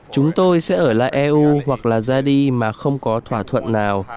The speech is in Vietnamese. chúng tôi sẽ ở lại eu hoặc là zadi mà không có thỏa thuận nào